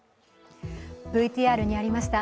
ＶＴＲにありました、